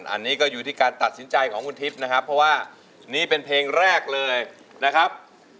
อันนี้ก็อยู่ที่การตัดสินใจของคุณทิพย์นะครับเพราะว่านี่เป็นเพลงแรกเลยนะครับ